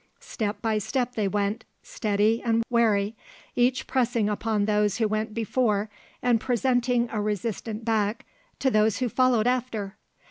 Step by step they went, steady and wary, each pressing upon those who went before and presenting a resistant back to those who followed after.